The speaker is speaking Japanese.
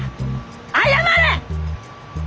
謝れ！